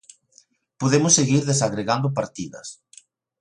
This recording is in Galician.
Podemos seguir desagregando partidas.